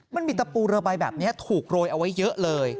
มันมีตะปูเรือใบแบบนี้ถูกโรยเอาไว้เยอะเลย